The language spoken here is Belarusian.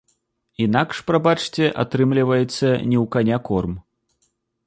Інакш, прабачце, атрымліваецца не ў каня корм.